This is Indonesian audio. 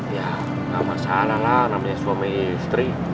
ya nggak masalah lah namanya suami istri